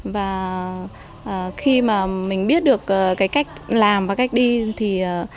và khi mà mình biết được cái cách làm và cách đi thì